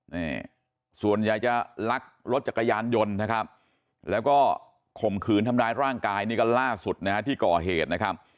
นี่ส่วนใหญ่จะลักรถจักรยานยนต์นะครับแล้วก็ข่มขืนทำร้ายร่างกายนี่ก็ล่าสุดนะฮะที่ก่อเหตุนะครับ